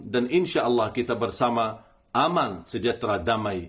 dan insya allah kita bersama aman sejahtera damai